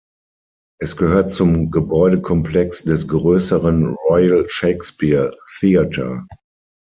Es gehört zum Gebäudekomplex des größeren Royal Shakespeare Theatre.